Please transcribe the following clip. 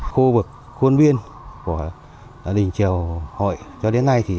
khu vực khuôn viên của đình trèo hội cho đến nay